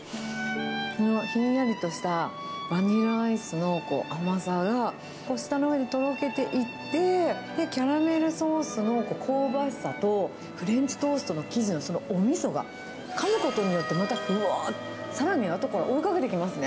ひんやりとしたバニラアイスの甘さが、舌の上でとろけていって、キャラメルソースの香ばしさと、フレンチトーストの生地のおみそが、かむことによってまたぶわーっと、さらにあとから追いかけてきますね。